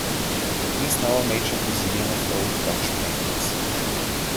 It is now a major museum of old Dutch paintings.